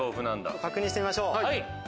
確認してみましょう。